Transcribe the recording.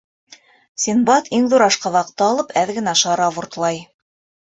Синдбад, иң ҙур ашҡабаҡты алып, әҙ генә шарап уртлай.